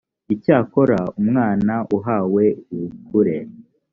icyakora umwana uhawe ubukure